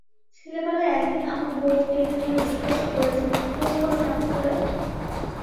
ছেলেবেলায় একদিন আমার গোঁফ টেনে ধরে জিজ্ঞাসা করেছিলে, গোঁফ হল কেমন করে?